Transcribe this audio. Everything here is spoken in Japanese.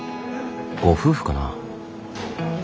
ご夫婦かな？